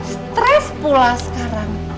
stress pula sekarang